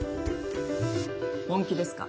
本気ですか？